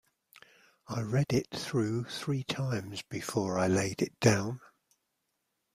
I read it through three times before I laid it down.